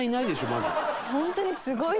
まず。